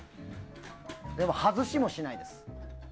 でも、外しもしないです。